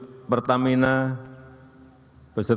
beserta seluruh jajaran hadirin dan undangan yang berbahagia